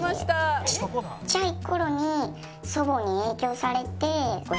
ちっちゃい頃に祖母に影響されて。